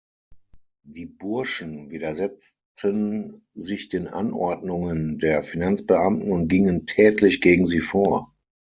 Die Burschen widersetzten sich den Anordnungen der Finanzbeamten und gingen tätlich gegen sie vor.